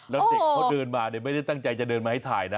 แล้วเด็กเขาเดินมาไม่ได้ตั้งใจจะเดินมาให้ถ่ายนะ